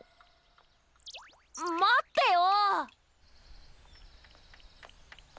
まってよ！